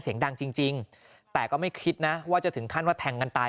เสียงดังจริงจริงแต่ก็ไม่คิดนะว่าจะถึงขั้นว่าแทงกันตาย